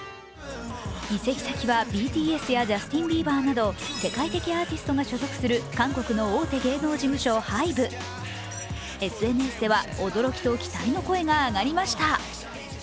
移籍先は、ＢＴＳやジャスティン・ビーバーなど世界的アーティストが所属する韓国の大手事務所、ＨＹＢＥ。ＳＮＳでは驚きと期待の声が上がりました。